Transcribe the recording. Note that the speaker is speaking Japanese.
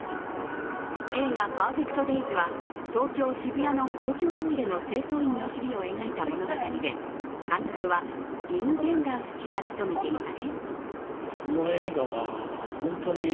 映画「ＰＥＲＦＥＣＴＤＡＹＳ」は東京・渋谷の公共トイレの清掃員の日々を描いた物語で監督はヴィム・ヴェンダース氏が務めています。